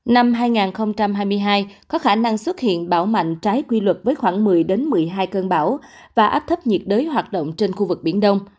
năm hai nghìn hai mươi hai có khả năng xuất hiện bão mạnh trái quy luật với khoảng một mươi một mươi hai cơn bão và áp thấp nhiệt đới hoạt động trên khu vực biển đông